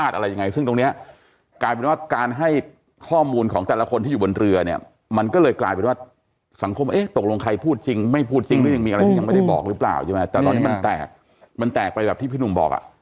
แต่ตอนนี้มันแตกมันแตกไปแบบที่พี่หนุ่มบอกอ่ะ